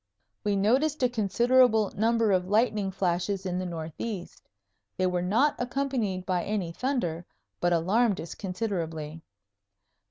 We noticed a considerable number of lightning flashes in the northeast. They were not accompanied by any thunder, but alarmed us considerably.